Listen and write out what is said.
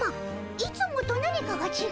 いつもと何かがちがうの。